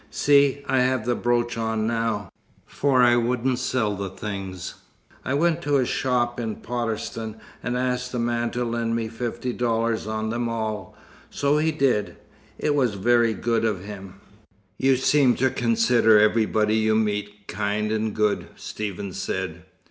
See, I have the brooch on now for I wouldn't sell the things. I went to a shop in Potterston and asked the man to lend me fifty dollars on them all, so he did. It was very good of him." "You seem to consider everybody you meet kind and good," Stephen said.